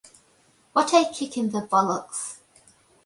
What a kick in the bollocks.